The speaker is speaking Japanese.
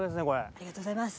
ありがとうございます！